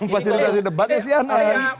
jadi memfasilitasi debatnya sih aneh